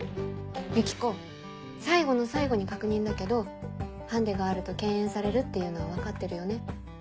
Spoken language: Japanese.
ユキコ最後の最後に確認だけどハンディがあると敬遠されるっていうのは分かってるよね？